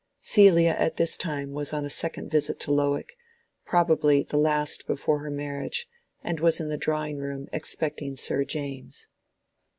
Celia at this time was on a second visit to Lowick, probably the last before her marriage, and was in the drawing room expecting Sir James.